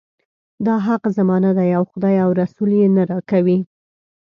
دا حق زما نه دی او خدای او رسول یې نه راکوي.